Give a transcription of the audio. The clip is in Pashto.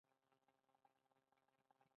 افغانستان د بادام له پلوه متنوع دی.